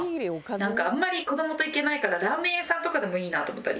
なんかあんまり子供と行けないからラーメン屋さんとかでもいいなと思ったり。